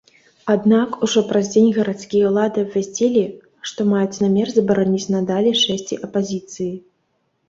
Аднак, ужо праз дзень гарадскія ўлады абвясцілі, што маюць намер забараніць надалей шэсці апазіцыі.